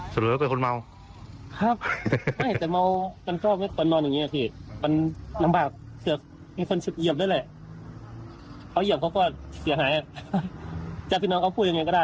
สวัสดีครับ